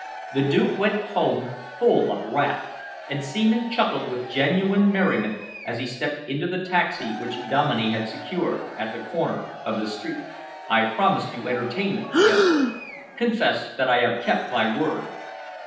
The Duke went home full of wrath, and Seaman chuckled with genuine merriment as he stepped into the taxi which Dominey had secured, at the corner of the street. "I promised you entertainment," he observed. "Confess that I have kept my word."